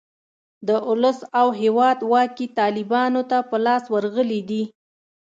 د اولس او هیواد واګې طالیبانو ته په لاس ورغلې دي.